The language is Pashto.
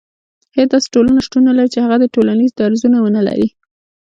هيڅ داسي ټولنه شتون نه لري چي هغه دي ټولنيز درځونه ونلري